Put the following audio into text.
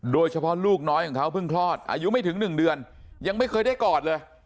ลูกน้อยของเขาเพิ่งคลอดอายุไม่ถึง๑เดือนยังไม่เคยได้กอดเลย